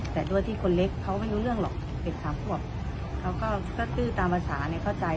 แต่ด้วยที่คนเล็กเขาไม่รู้เรื่องหรอกเด็กสามขวบเขาก็ตื้อตามภาษาเนี่ยเข้าใจ